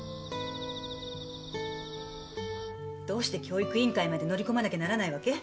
どうして教育委員会まで乗り込まなきゃならないわけ？